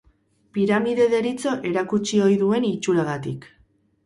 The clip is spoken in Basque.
Piramide deritzo erakutsi ohi duen itxuragatik.